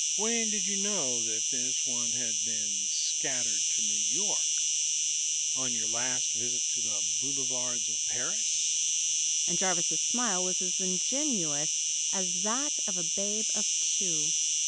"When did you know that this one had been scattered to New York, on your last visit to the boulevards of Paris?" And Jarvis' smile was as ingenuous as that of a babe of two.